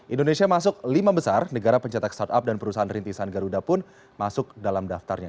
indonesia masuk lima besar negara pencetak startup dan perusahaan rintisan garuda pun masuk dalam daftarnya